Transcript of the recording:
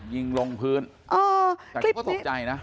ยิงลงพื้นแต่เขาก็ตกใจนะ